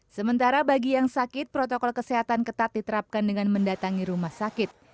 sementara bagi yang sakit protokol kesehatan ketat diterapkan dengan mendatangi rumah sakit